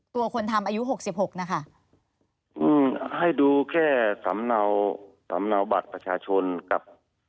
คนทำอายุหกสิบหกนะคะอืมให้ดูแค่สำเนาสำเนาบัตรประชาชนกับ